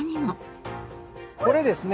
これですね